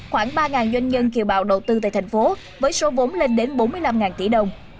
khoảng ba doanh nhân kiều bào đầu tư tại thành phố với số vốn lên đến bốn mươi năm tỷ đồng